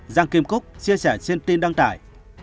giang kim cúc chia sẻ trên tin đăng tải